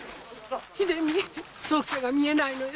秀美宗家が見えないのよ。